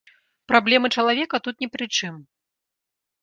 Праблемы чалавека тут не пры чым.